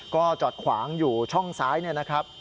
ก็จอดขวางอยู่ช่องซ้ายเนี่ยนะครับ